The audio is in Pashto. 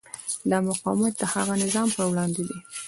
دا مقاومت د هغه نظام پر وړاندې دی.